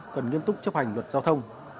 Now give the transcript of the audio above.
cần nghiêm túc chấp hành luật giao thông